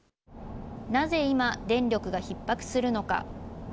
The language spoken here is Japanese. なぜ今、電力が逼迫するのか。